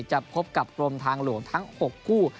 จะพบกับกรมทางหลวงทั้ง๖คู่